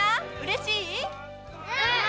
うん！